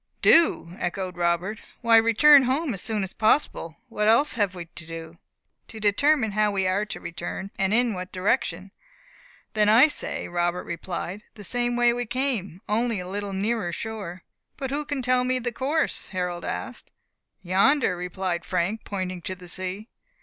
"Do!" echoed Robert, "why return home as soon as possible. What else have we to do?" "To determine how we are to return and in what direction." "Then I say," Robert replied, "the same way that we came, only a little nearer shore." "But who can tell me the course?" Harold asked. "Yonder," replied Frank, pointing to the sea.